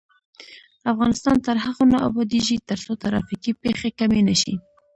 افغانستان تر هغو نه ابادیږي، ترڅو ترافیکي پیښې کمې نشي.